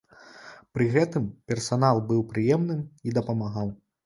Пры гэтым, персанал быў прыемным і дапамагаў.